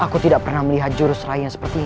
aku tidak pernah melihat jurus lainnya seperti ini